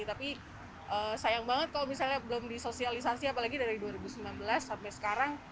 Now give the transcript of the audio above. tapi sayang banget kalau misalnya belum disosialisasi apalagi dari dua ribu sembilan belas sampai sekarang